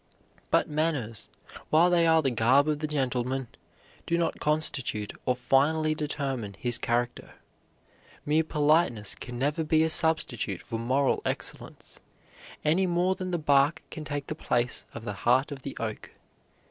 But manners, while they are the garb of the gentleman, do not constitute or finally determine his character. Mere politeness can never be a substitute for moral excellence, any more than the bark can take the place of the heart of the oak.